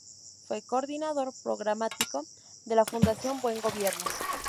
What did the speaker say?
Fue coordinador programático de la Fundación Buen Gobierno.